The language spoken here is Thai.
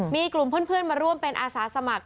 มีกลุ่มเพื่อนมาร่วมเป็นอาสาสมัคร